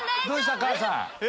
どうした？